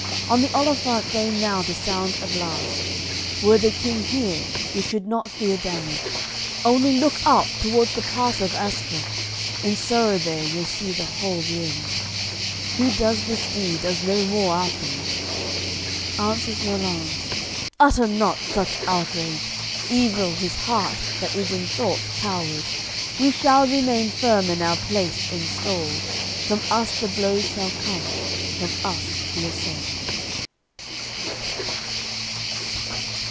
On the olifant deign now to sound a blast; Were the King here, we should not fear damage. Only look up towards the Pass of Aspre, In sorrow there you'll see the whole rereward. Who does this deed, does no more afterward." Answers Rollanz: "Utter not such outrage! Evil his heart that is in thought coward! We shall remain firm in our place installed; From us the blows shall come, from us the assault."